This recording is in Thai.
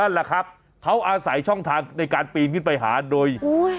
นั่นแหละครับเขาอาศัยช่องทางในการปีนขึ้นไปหาโดยโอ้ย